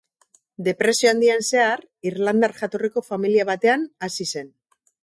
Depresio Handian zehar irlandar jatorriko familia batean hazi zen.